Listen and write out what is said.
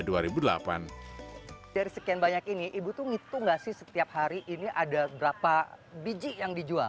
dari sekian banyak ini ibu tuh ngitung nggak sih setiap hari ini ada berapa biji yang dijual